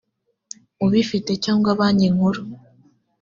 ubifite cyangwa banki nkuru